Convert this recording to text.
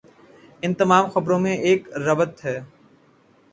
ان تمام خبروں میں ایک ربط ہے۔